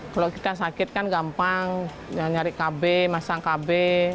kalau kita sakit kan gampang nyari kb masang kb